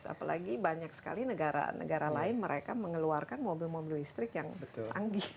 apalagi banyak sekali negara negara lain mereka mengeluarkan mobil mobil listrik yang canggih